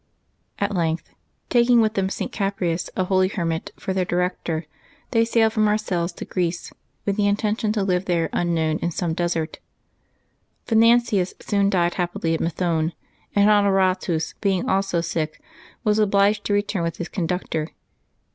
At length, taking with them St. Caprais, a holy hermit, for their director, they sailed from Marseilles to Greece, with the intention to live there unknown in some desert. Venantius soon died happil}^ at Methone, and Honoratus, being also sick, was obliged to return with his conductor.